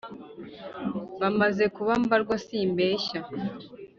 Bamaze kuba mbarwa simbeshya